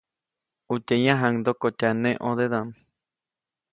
ʼUtye yãjkyajaŋdokotya neʼ ʼõdedaʼm.